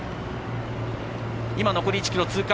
今、残り１ｋｍ通過。